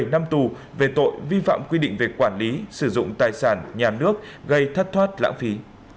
bảy năm tù về tội vi phạm quy định về quản lý sử dụng tài sản nhà nước gây thất thoát lãng phí